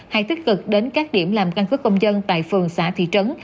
hay tích cực đến các điểm làm căn cứ công dân tại phường xã thị trấn